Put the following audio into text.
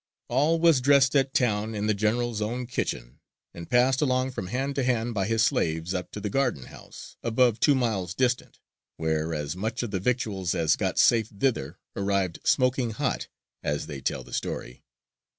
All was dressed at town in the general's own kitchen, and passed along from hand to hand by his slaves up to the garden house, above two miles' distant, where as much of the victuals as got safe thither arrived smoking hot, as they tell the story."